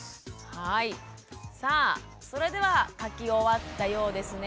はいさあそれでは書き終わったようですね。